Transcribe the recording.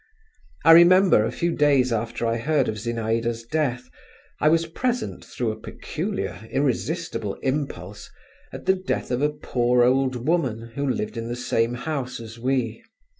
I remember, a few days after I heard of Zinaïda's death, I was present, through a peculiar, irresistible impulse, at the death of a poor old woman who lived in the same house as we.